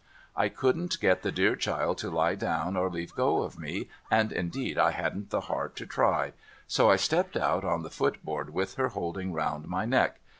I couldn't get the dear child to lie down or leave go of me, and indeed I hadn't the heart to try, so I stepped out on the footboard with her holding round my neck.